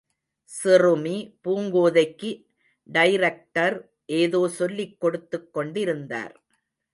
சிறுமி பூங்கோதைக்கு டைரக்டர் ஏதோ சொல்லிக் கொடுத்துக் கொண்டிருந்தார்.